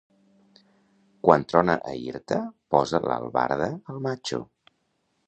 Quan trona a Irta, posa l'albarda al matxo.